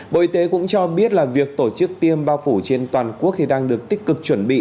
bộ y tế cũng cho biết là việc tổ chức tiêm bao phủ trên toàn quốc khi đang được tích cực chuẩn bị